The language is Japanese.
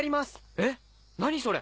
えっ何それ！